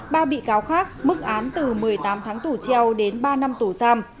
ba bị cáo khác mức án từ một mươi tám tháng tù treo đến ba năm tù giam